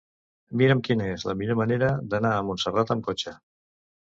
Mira'm quina és la millor manera d'anar a Montserrat amb cotxe.